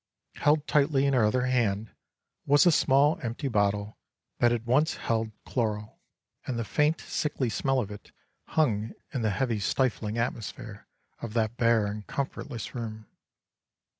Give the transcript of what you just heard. Held tightly in her other hand was a small empty bottle that had once held chloral, and the faint sickly smell of it hung in the heavy stifling atmosphere of that bare and comfortless room.